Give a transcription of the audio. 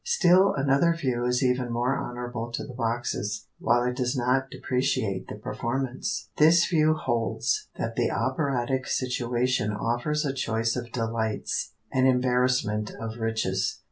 Still another view is even more honorable to the boxes, while it does not depreciate the performance. This view holds that the operatic situation offers a choice of delights, an embarrassment of riches.